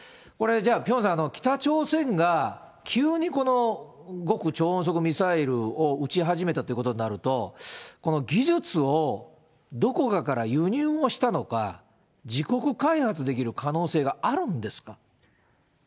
これじゃあ、ピョンさん、北朝鮮が急にこの極超音速ミサイルを打ち始めたということになると、この技術をどこかから輸入をしたのか、自国開発できる可能性があるんですか。